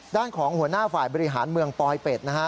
ด้านของหัวหน้าฝ่ายบริหารเมืองปลอยเป็ดนะฮะ